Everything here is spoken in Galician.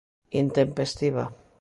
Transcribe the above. Intempestiva.